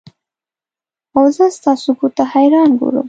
اوزه ستا څوکو ته حیران ګورم